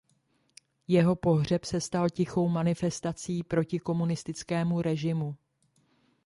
Jeho pohřeb se stal tichou manifestací proti komunistickému režimu.